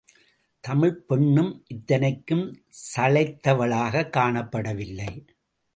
தமிழ்ப் பெண்ணும் இத்தனைக்கும் சளைத்தவளாகக் காணப்படவில்லை.